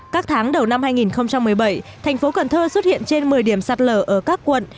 các tháng đầu năm hai nghìn một mươi bảy thành phố cần thơ xuất hiện trên một mươi điểm sạt lở ở các quận